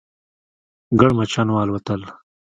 ګڼ مچان والوتل.